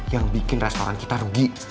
yang bikin restoran kita rugi